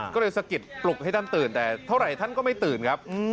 ก็เลยสะกิดปลุกให้ท่านตื่นแต่เท่าไหร่ท่านก็ไม่ตื่นครับ